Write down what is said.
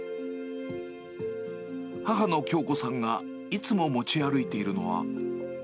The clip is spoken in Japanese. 母の京子さんがいつも持ち歩いているのは。